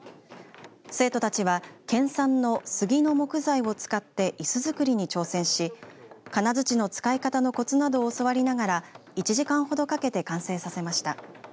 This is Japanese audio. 生徒たちは県産のスギの木材を使っていす作りに挑戦し金づちの使い方のこつなどを教わりながら１時間ほどかけて完成させました。